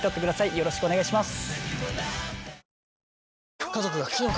よろしくお願いします。